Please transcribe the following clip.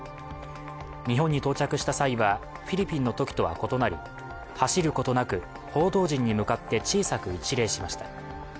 日本に到着した際はフィリピンのときとは異なり走ることなく報道陣に向かって小さく一礼しました。